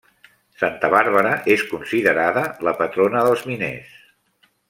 Santa Bàrbara és considerada la patrona dels miners.